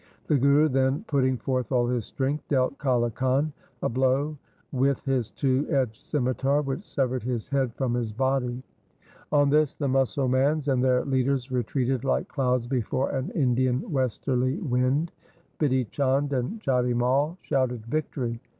The Guru, then putting forth all his strength, dealt Kale Khan a blow witn his two edged scimitar which severed his head from his body. On this the Musalmans and their leaders retreated like clouds before an Indian westerly wind. Bidhi Chand and Jati Mai shouted victory.